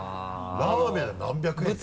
ラーメン何百円でしょ？